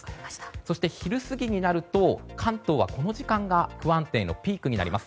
そして昼過ぎになると関東はこの時間が不安定のピークになります。